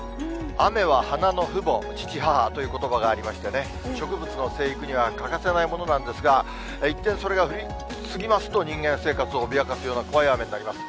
雨は花の父母、父、母ということばがありましてね、植物の生育には欠かせないものなんですが、一転、それが降り過ぎますと、人間生活を脅かすような怖い雨になります。